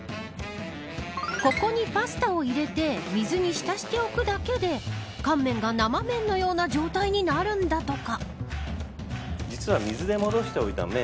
ここにパスタを入れて水に浸しておくだけで乾麺が生麺のような状態になるんだとか。